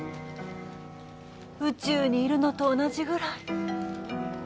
宇宙にいるのと同じぐらい。